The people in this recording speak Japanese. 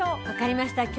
分かりました。